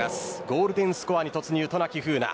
ゴールデンスコアに突入渡名喜風南。